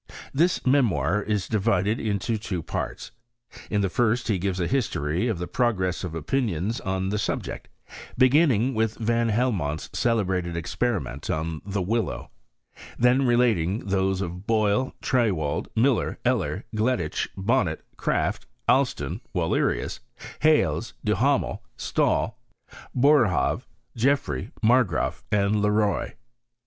This memoir is divided into two parts. In the first he gives a history of the progress of opinions on the subject, beginning with Van Helmont's celebrated experi ment on the willow ; then relating those of Boyle, Triewald, Miller, Eller, Gleditch, Bonnet, Kraft, Alston, Wallerius, Hales, Duhamel, Stahl, Boer haave, Geoffrey, Margraaf, and Le Roy.